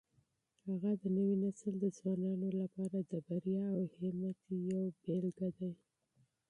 هغه د نوي نسل د ځوانانو لپاره د بریا او همت یو سمبول دی.